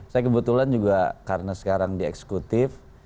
saya kebetulan juga karena sekarang di eksekutif